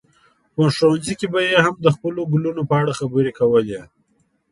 په ښوونځي کې به یې هم د خپلو ګلونو په اړه خبرې کولې.